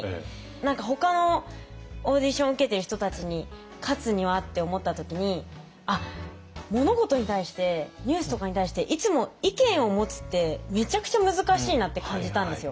ほかのオーディション受けてる人たちに勝つにはって思った時にあっ物事に対してニュースとかに対していつも意見を持つってめちゃくちゃ難しいなって感じたんですよ。